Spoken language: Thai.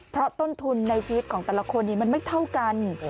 เพราะต้นทุนในชีวิตของแต่ละคนมันไม่เท่ากัน